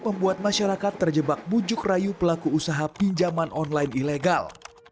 membuat masyarakat terjebak bujuk rayu pelaku usaha pinjaman online ilegal